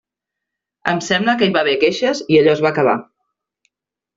Em sembla que hi va haver queixes i allò es va acabar.